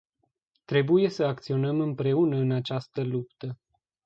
Trebuie să acționăm împreună în această luptă.